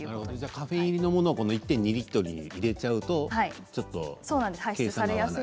カフェイン入りのものは１．２リットルに入れちゃうとちょっと計算が合わない。